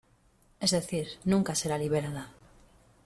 Es decir, nunca será liberada.